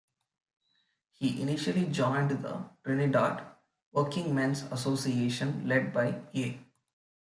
He initially joined the Trinidad Workingmen's Association led by A.